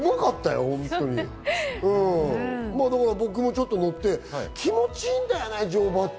僕もちょっと乗って気持ち良いんだよね、乗馬って。